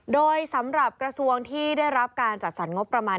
โดยสำหรับกระทรวงที่ได้รับการจัดสรรงบประมาณ